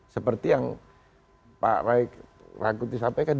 seperti yang pak rai rangkuti sampaikan